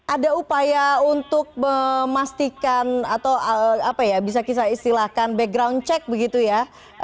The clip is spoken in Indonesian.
ada upaya untuk memastikan atau apa ya bisa kita istilahkan background check begitu ya